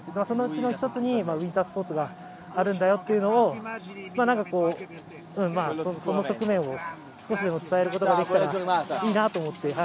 そのうちの１つにウインタースポーツがあるというその側面を少しでも伝えることができたらいいなと思って。